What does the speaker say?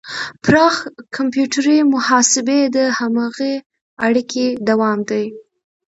پراخ کمپیوټري محاسبې د هماغې اړیکې دوام دی.